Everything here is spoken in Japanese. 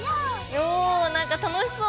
おなんか楽しそう！